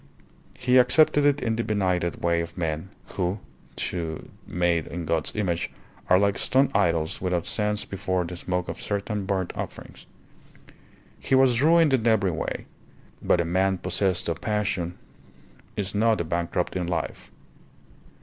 He accepted it in the benighted way of men, who, though made in God's image, are like stone idols without sense before the smoke of certain burnt offerings. He was ruined in every way, but a man possessed of passion is not a bankrupt in life.